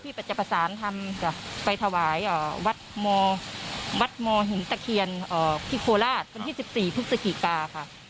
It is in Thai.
พี่ปัจจับประสานทำไปถวายวัดมอหินตะเคียนพี่โคราชวันที่๑๔พฤษฐกิกา